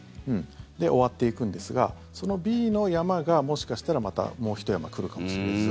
で、終わっていくんですがそのＢの山がもしかしたらまた、もうひと山来るかもしれず。